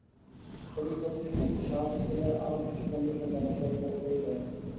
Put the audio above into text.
কবি ফজল শাহাবুদ্দীনের আরও কিছু বন্ধুর সঙ্গে আমার স্বল্প পরিচয় আছে।